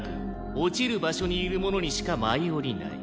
落ちる場所にいる者にしか舞い降りない。